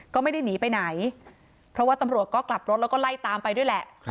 ก็ไม่ได้หนีไปไหนเพราะว่าตำรวจก็กลับรถแล้วก็ไล่ตามไปด้วยแหละ